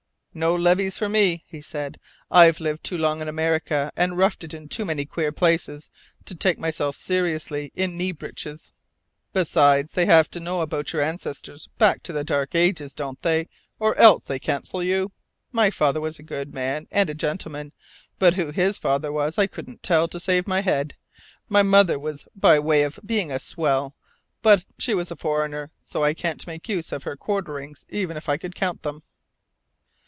"No levees for me!" he said. "I've lived too long in America, and roughed it in too many queer places, to take myself seriously in knee breeches. Besides, they have to know about your ancestors back to the Dark Ages, don't they, or else they 'cancel' you? My father was a good man, and a gentleman, but who his father was I couldn't tell to save my head. My mother was by way of being a swell; but she was a foreigner, so I can't make use of any of her 'quarterings,' even if I could count them."